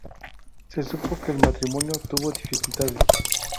Se supo que el matrimonio tuvo dificultades.